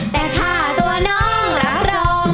แต่ข้าตัวน้องรับรอเหมือนเดิม